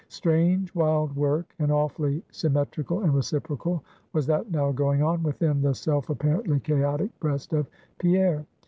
Strange wild work, and awfully symmetrical and reciprocal, was that now going on within the self apparently chaotic breast of Pierre.